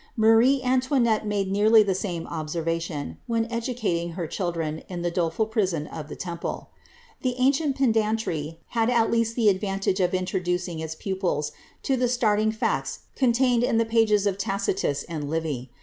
Marie Antoinette made nearly the same observation, when educating her children in the doleful prison o( the Temple. The ancient pedantry had at least the advantage of introducing its pupils to the startling facts contained in the pages of Tacitus and Livy.